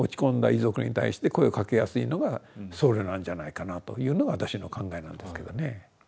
遺族に対して声をかけやすいのが僧侶なんじゃないかなというのが私の考えなんですけどね。